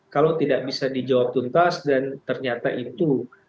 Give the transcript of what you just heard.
kalau tidak bisa dijawab tuntas dan ternyata itu